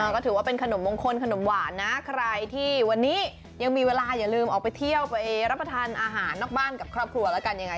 ก็ถือว่าเป็นขนมมงคลขนมหวานนะใครที่วันนี้ยังมีเวลาอย่าลืมออกไปเที่ยวไปรับประทานอาหารนอกบ้านกับครอบครัวแล้วกันยังไง